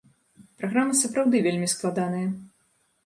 Праграма сапраўды вельмі складаная.